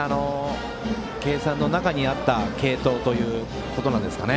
計算の中にあった継投ということなんですかね。